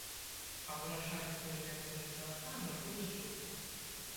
А вырашаць, хто і як за гэта адкажа, будзе суд.